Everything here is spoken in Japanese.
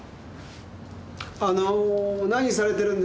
あのー何されてるんですか？